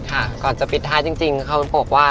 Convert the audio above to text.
ก่อนจะปิดท้ายจริงเขาบอกว่า